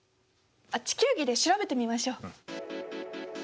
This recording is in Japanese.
あっ地球儀で調べてみましょう。